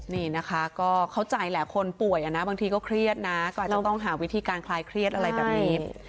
นี่นะคะก็เข้าใจแหละคนป่วยนะบางทีก็เครียดนะก็อาจจะต้องหาวิธีการคลายเครียดอะไรแบบนี้